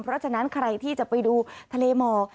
เพราะฉะนั้นใครที่จะไปดูทะเลหมอก